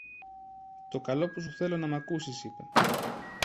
Το καλό που σου θέλω να μ' ακούσεις, είπε.